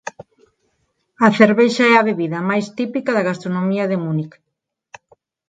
A cervexa é a bebida máis típica da gastronomía de Múnic.